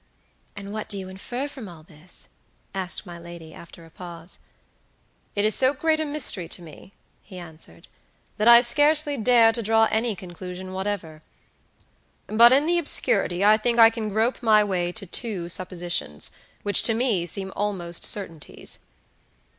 "And what do you infer from all this?" asked my lady, after a pause. "It is so great a mystery to me," he answered, "that I scarcely dare to draw any conclusion whatever; but in the obscurity I think I can grope my way to two suppositions, which to me seem almost certainties."